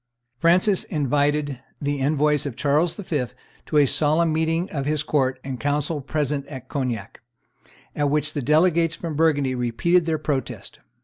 Francis invited the envoys of Charles V. to a solemn meeting of his court and council present at Cognac, at which the delegates from Burgundy repeated their protest.